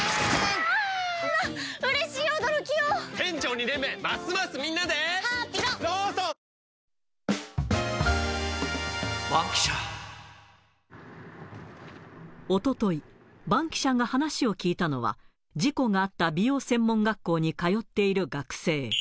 周りのみんなはパニック状態おととい、バンキシャが話を聞いたのは、事故があった美容専門学校に通っている学生。